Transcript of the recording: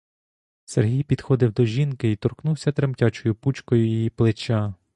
Сергій підходив до жінки й торкнувся тремтячою пучкою її плеча.